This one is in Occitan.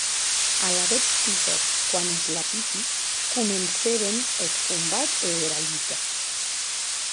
Alavetz siguec quan es lapiti comencèren eth combat e era luta.